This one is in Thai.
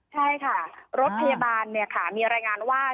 ใช่ค่ะรถพยาบาลมีรายงานว่า